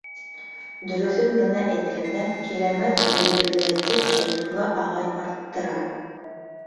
- Дөрөҫөн генә әйткәндә, Кирәмәт емерелә, тип, Шәрифулла ағай арттыра.